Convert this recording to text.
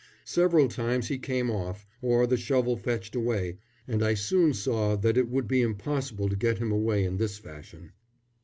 Several times he came off, or the shovel fetched away, and I soon saw that it would be impossible to get him away in this fashion.